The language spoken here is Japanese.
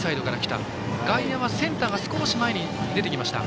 外野はセンターが少し前に出てきた。